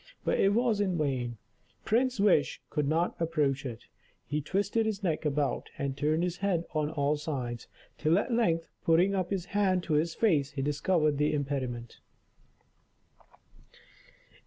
But it was in vain, Prince Wish could not approach it. He twisted his neck about, and turned his head on all sides, till at length, putting up his hand to his face, he discovered the impediment.